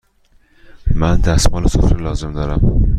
من دستمال سفره لازم دارم.